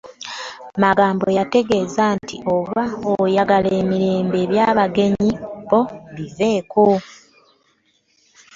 Magambo yantegeeza nti, “Oba oyagala emirembe eby’abagenyi bo biveeko,”